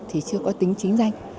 thì chưa có tính chính danh